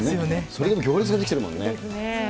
それでも行列が出来てるもんですね。